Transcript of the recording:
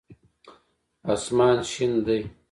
آسمان شين دی.